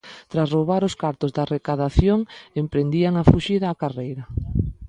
Tras roubar os cartos da recadación, emprendían a fuxida á carreira.